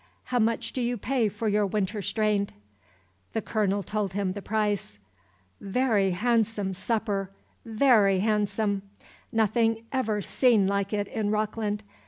"How much do you pay for your winter strained?" The Colonel told him the price. "Very hahnsome supper, very hahnsome. Nothin' ever seen like it in Rockland.